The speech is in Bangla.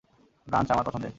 ব্রাঞ্চ আমার পছন্দের।